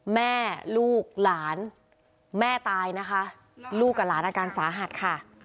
แม่ลูกหลานแม่ตายนะคะลูกกับหลานอาการสาหัสค่ะ